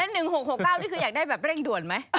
๑๖๖๙นี่คืออยากได้แบบเร่งด่วนไหม